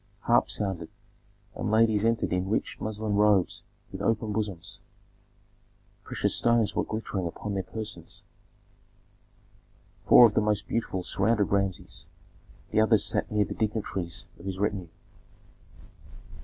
Harps sounded, and ladies entered in rich, muslin robes with open bosoms; precious stones were glittering upon their persons. Four of the most beautiful surrounded Rameses; the others sat near the dignitaries of his retinue.